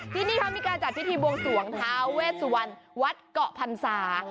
ที่นี่เขามีการจัดพิธีบวงสวงท้าเวสวรรณวัดเกาะพรรษา